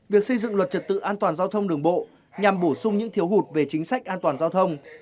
việc xây dựng luật trật tự an toàn giao thông đường bộ nhằm bổ sung những thiếu hụt về chính sách an toàn giao thông